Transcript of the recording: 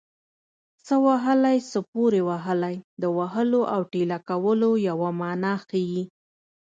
څه وهلی څه پورې وهلی د وهلو او ټېله کولو یوه مانا ښيي